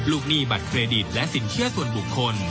หนี้บัตรเครดิตและสินเชื่อส่วนบุคคล